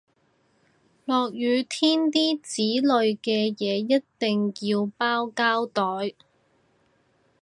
落雨天啲紙類嘅嘢一定要包膠袋